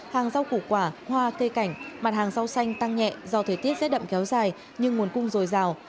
hàng rau củ quả hoa cây cảnh mặt hàng rau xanh tăng nhẹ do thời tiết rét đậm kéo dài nhưng nguồn cung dồi dào